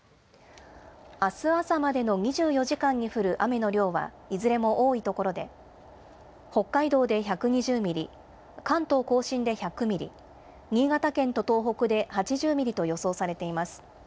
あす朝までに２４時間に降る雨の量は、いずれも多い所で、北海道で１２０ミリ、関東甲信で１００ミリ、新潟県と東北で８０ミリと予想されています。